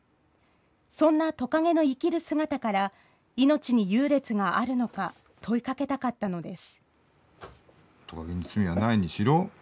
そんなトカゲの生きる姿から命に優劣があるのか問いかけたかったのです。